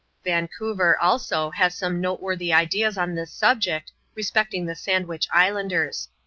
Vancouver, also, has some noteworthy ideas on this subject, respecting the Sandwich Islanders.